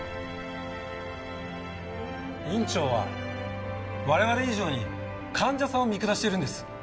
院長は我々以上に患者さんを見下してるんです。